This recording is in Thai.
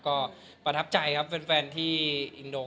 ขอบคุณมากสวัสดีครับ